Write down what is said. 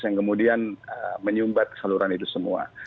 yang kemudian menyumbat keseluruhan itu semua